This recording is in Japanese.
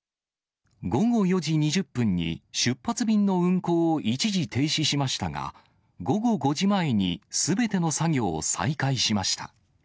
午後４時２０分に出発便の運航を一時停止しましたが、午後５時前にすべての作業を再開しました。